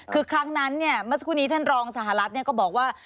คือครั้งนั้นเมื่อสักครู่นี้ท่านรองสหรัฐก็บอกว่า